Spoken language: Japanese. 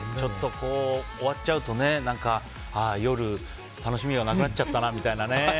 終わっちゃうとね夜、楽しみがなくなっちゃったなみたいなね。